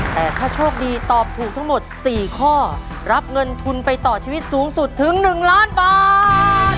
แต่ถ้าโชคดีตอบถูกทั้งหมด๔ข้อรับเงินทุนไปต่อชีวิตสูงสุดถึง๑ล้านบาท